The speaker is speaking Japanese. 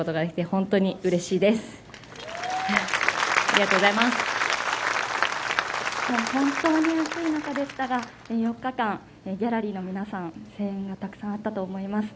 本当に暑い中でしたが４日間ギャラリーの皆さん声援がたくさんあったと思います。